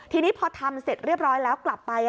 ทีนี้พอทำเสร็จเรียบร้อยแล้วกลับไป